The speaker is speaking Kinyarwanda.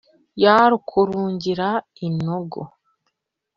Ya Rukurungira inogo